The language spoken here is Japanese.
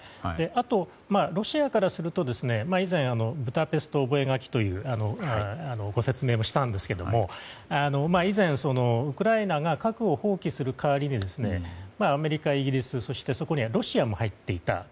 あと、ロシアからすると以前、ブダペスト覚書というご説明もしたんですが以前、ウクライナが核を放棄する代わりにアメリカ、イギリスとロシアも入っていた。